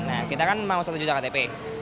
nah kita kan mau satu juta ktp